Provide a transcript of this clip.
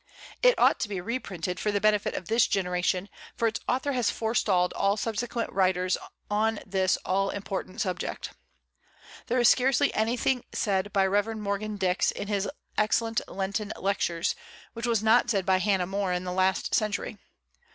It ought to be reprinted, for the benefit of this generation, for its author has forestalled all subsequent writers on this all important subject. There is scarcely anything said by Rev. Morgan Dix, in his excellent Lenten Lectures, which was not said by Hannah More in the last century.